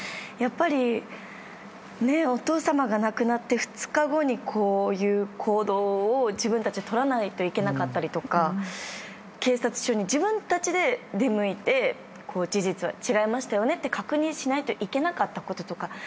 やっぱりお父さまが亡くなって２日後にこういう行動を自分たちで取らないといけなかったりとか警察署に自分たちで出向いて事実は違いましたよねって確認しないといけなかったこととか。